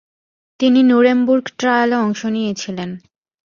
তিনি নুরেমবুর্গ ট্রায়ালে অংশ নিয়েছিলেন।